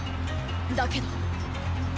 だけど。